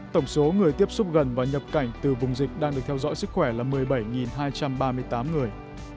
tổng số người tiếp xúc gần và nhập cảnh từ vùng dịch đang được theo dõi sức khỏe là một mươi bảy hai trăm ba mươi tám người